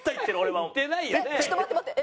ちょっと待って待って。